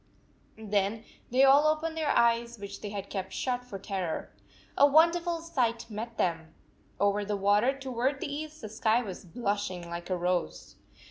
Then they all opened their eyes, which they had kept shut for terror. A wonderful sight met them ! Over the water toward the east the sky was blushing like a rose.